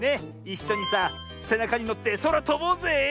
いっしょにさせなかにのってそらとぼうぜえ！